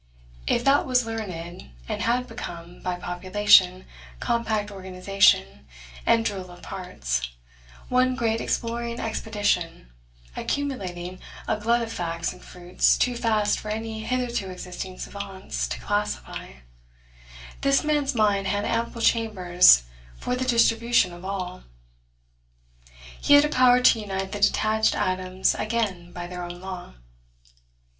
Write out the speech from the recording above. If that was learned, and had become, by population, compact organization, and drill of parts, one great Exploring Expedition, accumulating a glut of facts and fruits too fast for any hitherto existing savants to classify, this man's mind had ample chambers for the distribution of all. He had a power to unite the detached atoms again by their own law.